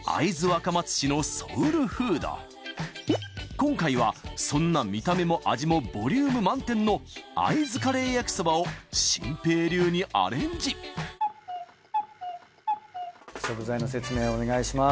今回はそんな見た目も味もボリューム満点の会津カレー焼きそばを心平流にアレンジ食材の説明お願いします。